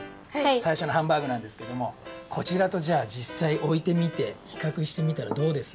さいしょのハンバーグなんですけどもこちらとじゃあじっさいおいてみてひかくしてみたらどうです？